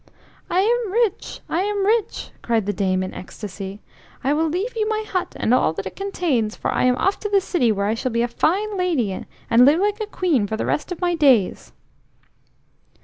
"I am rich! I am rich!" cried the dame in ecstasy. "I will leave you my hut and all that it contains, for I am off to the city, where I shall be a fine lady and live like a queen for the rest of my days."